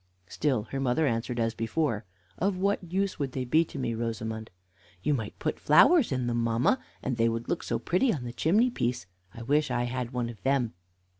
Still her mother answered, as before, "Of what use would they be to me, Rosamond?" "You might put flowers in them, mamma, and they would look so pretty on the chimney piece. I wish I had one of them."